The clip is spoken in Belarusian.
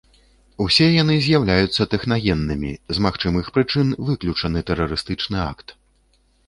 Усе яны з'яўляюцца тэхнагеннымі, з магчымых прычын выключаны тэрарыстычны акт.